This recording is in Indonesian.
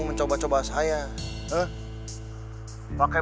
mendingan sama aku kan